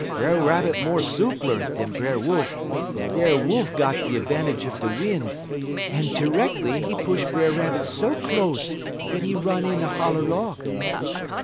Brer Rabbit mo' soopler dan Brer Wolf, but Brer Wolf got de 'vantage er de win', en terreckly he push Brer Rabbit so close dat he run in a holler log.